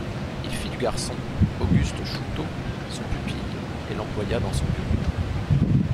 Il fit du garçon, Auguste Chouteau, son pupille et l’employa dans son bureau.